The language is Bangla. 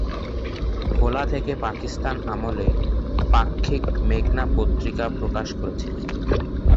ভোলা থেকে পাকিস্তান আমলে ‘পাক্ষিক মেঘনা পত্রিকা’ প্রকাশ করেছিলেন।